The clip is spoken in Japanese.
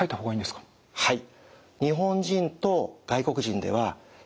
はい。